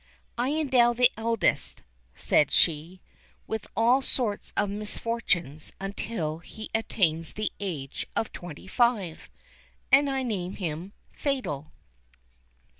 "I endow the eldest," said she, "with all sorts of misfortunes until he attains the age of twenty five, and I name him Fatal."